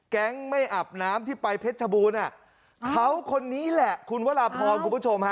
ไม่อาบน้ำที่ไปเพชรชบูรณอ่ะเขาคนนี้แหละคุณวราพรคุณผู้ชมฮะ